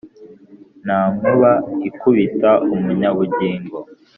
Nta nkuba ikubita umunyabugingo.